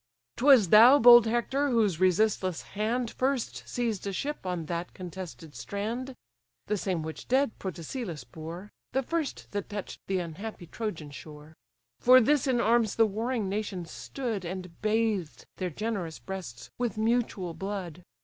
'Twas thou, bold Hector! whose resistless hand First seized a ship on that contested strand; The same which dead Protesilaüs bore, The first that touch'd the unhappy Trojan shore: For this in arms the warring nations stood, And bathed their generous breasts with mutual blood.